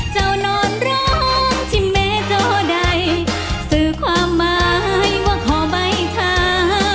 เจ้านอนร้องทิเมตต์โดยสื่อความหมายว่าขอบ้ายทา